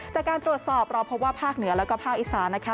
จากการตรวจสอบเราพบว่าภาคเหนือแล้วก็ภาคอีสานนะคะ